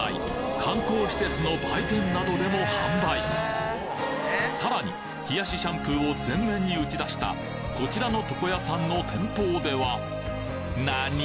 観光施設の売店などでも販売さらに冷やしシャンプーを全面に打ち出したこちらの床屋さんの店頭ではなに！？